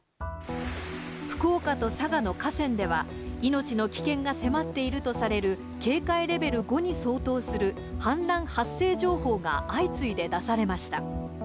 福岡と佐賀の河川では、命の危険が迫っているとされる警戒レベル５に相当する、氾濫発生情報が相次いで出されました。